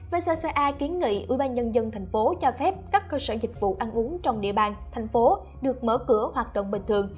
v c a kiến nghị ubnd tp hcm cho phép các cơ sở dịch vụ ăn uống trong địa bàn thành phố được mở cửa hoạt động bình thường